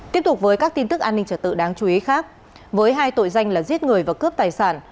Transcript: tiếp tục với các tin tức an ninh trở tự đáng chú ý khác với hai tội danh là giết người và cướp tài sản